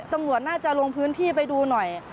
ตำรวจน่าจะลงพื้นที่ไปดูหน่อย